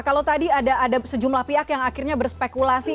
kalau tadi ada sejumlah pihak yang akhirnya berspekulasi